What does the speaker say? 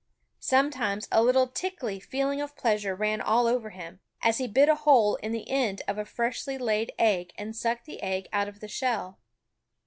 Sometimes a little tickly feeling of pleasure ran all over him, as he bit a hole in the end of a freshly laid egg and sucked the egg out of the shell.